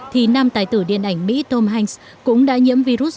thì nam tài tử điện ảnh mỹ tom hanks cũng đã nhiễm virus